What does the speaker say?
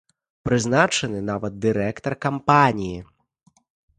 Прызначаны нават дырэктар кампаніі.